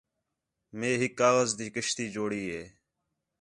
مے ہِک کاغذ تی کشتی جوڑی ہِے